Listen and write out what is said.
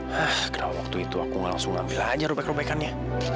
hah kenapa waktu itu aku langsung ambil aja rubek rubekannya